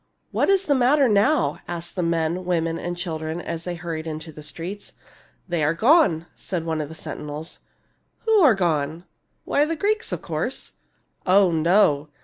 " What is the matter now ?" asked men, women, and children, as they hurried into the streets. " They are gone," said one of the sentinels. " Who are gone ?"" Why the Greeks, of course." " Oh, no